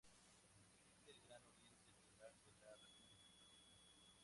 Existe el Gran Oriente Federal de la República Argentina.